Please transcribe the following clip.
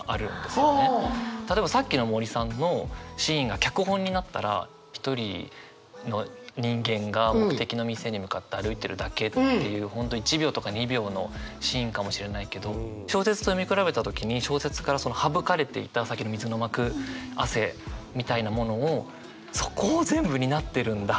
例えばさっきの森さんのシーンが脚本になったら一人の人間が目的の店に向かって歩いてるだけっていう本当に１秒とか２秒のシーンかもしれないけど小説と見比べた時に小説から省かれていたさっきの水の膜汗みたいなものをそこを全部担ってるんだ